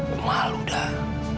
gue malu dah